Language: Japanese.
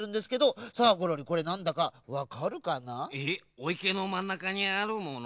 おいけのまんなかにあるもの？